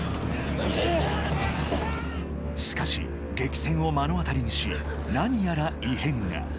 しかし、激戦を目の当たりにし何やら異変が。